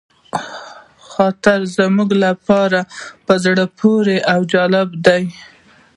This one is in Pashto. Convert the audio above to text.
د استاد خاطرې زموږ لپاره په زړه پورې او جالبې دي.